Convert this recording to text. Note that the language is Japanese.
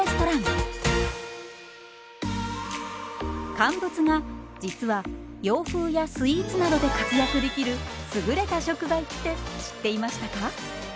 乾物が実は洋風やスイーツなどで活躍できる優れた食材って知っていましたか？